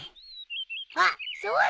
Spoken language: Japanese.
あっそうだ。